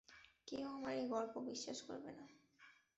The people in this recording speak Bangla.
কেউ আমার এই গল্প বিশ্বাস করবে না।